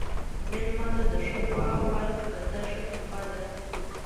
مېلمه ته ښه دعا ورکړه، دا ښه تحفه ده.